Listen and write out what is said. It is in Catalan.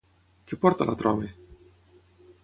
Què porta l'altre home?